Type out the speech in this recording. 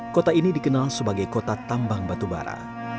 kota ini dikenal sebagai kota tambang batubara